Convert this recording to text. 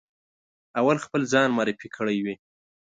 اول خپل ځان معرفي کړی وي.